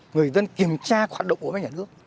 người dân kiểm tra hoạt động của mấy nhà nước